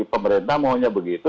pemerintah maunya begitu